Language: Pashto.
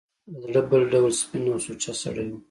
له زړه بل ډول سپین او سوچه سړی و.